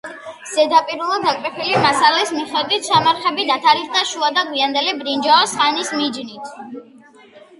ზედაპირულად აკრეფილი მასალის მიხედვით, სამარხები დათარიღდა შუა და გვიანდელი ბრინჯაოს ხანის მიჯნით.